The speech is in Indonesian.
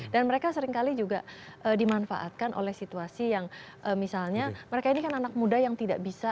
dan mereka seringkali juga dimanfaatkan oleh situasi yang misalnya mereka ini kan anak muda yang tidak bisa